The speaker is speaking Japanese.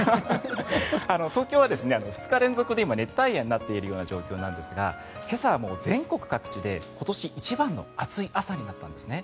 東京は２日連続で熱帯夜になっている状況なんですが今朝は全国各地で一番暑い朝になったんですね。